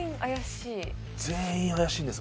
全員怪しいんです